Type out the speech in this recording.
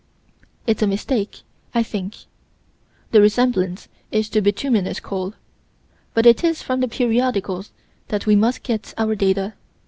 It's a mistake, I think: the resemblance is to bituminous coal but it is from the periodicals that we must get our data.